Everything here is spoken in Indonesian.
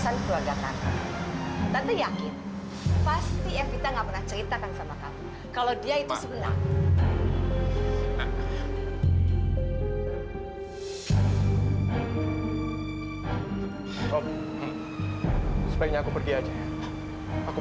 nggak usah ngomongin baju